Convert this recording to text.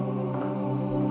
tentang apa yang terjadi